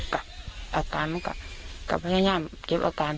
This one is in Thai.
กับอาการมันก็กลับไปย่าเก็บอาการ